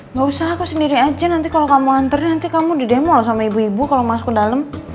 nggak usah aku sendiri aja nanti kalau kamu anter nanti kamu didemo loh sama ibu ibu kalau masuk ke dalam